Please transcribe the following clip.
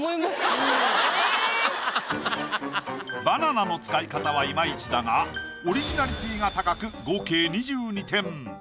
バナナの使い方はいまいちだがオリジナリティーが高く合計２２点。